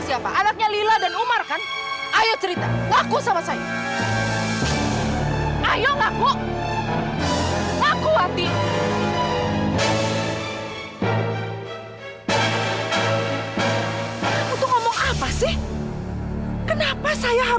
sampai jumpa di video selanjutnya